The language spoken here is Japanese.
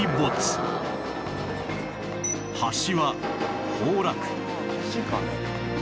橋は崩落